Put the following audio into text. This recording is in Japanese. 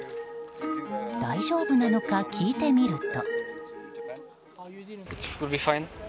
大丈夫なのか聞いてみると。